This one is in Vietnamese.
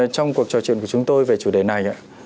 trong cuộc trò chuyện của chúng tôi về chủ đề này